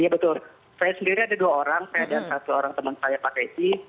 ya betul saya sendiri ada dua orang saya dan satu orang teman saya pak resi